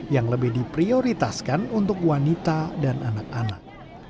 yang lebih diprioritaskan untuk wanita dan anak anak